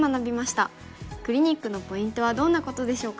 クリニックのポイントはどんなことでしょうか。